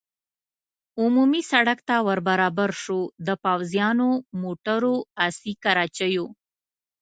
عمومي سړک ته ور برابر شو، د پوځیانو، موټرو، اسي کراچیو.